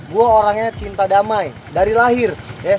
gue orangnya cinta damai dari lahir